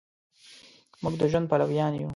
مونږ د ژوند پلویان یو